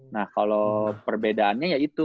nah kalau perbedaannya ya itu